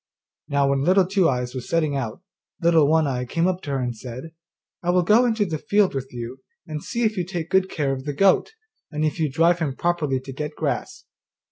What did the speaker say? Now when Little Two eyes was setting out, Little One eye came up to her and said, 'I will go into the field with you and see if you take good care of the goat, and if you drive him properly to get grass.